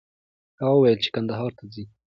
هغه وویل چې کندهار ته ځي.